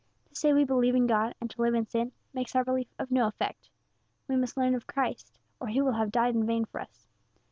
To say we believe in God, and to live in sin, makes our belief of no effect. We must learn of Christ, or He will have died in vain for us.